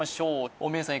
大宮さん